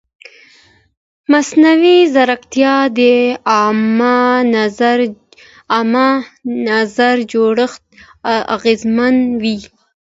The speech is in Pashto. مصنوعي ځیرکتیا د عامه نظر جوړښت اغېزمنوي.